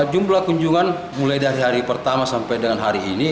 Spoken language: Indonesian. jumlah kunjungan mulai dari hari pertama sampai dengan hari ini